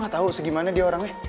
gak tau segimana dia orangnya